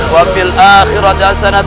wabil akhirat hasanah